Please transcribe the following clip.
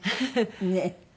ねえ。